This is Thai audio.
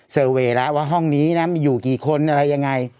เวย์แล้วว่าห้องนี้นะมีอยู่กี่คนอะไรยังไง